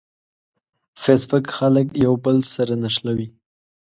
فېسبوک خلک یو بل سره نښلوي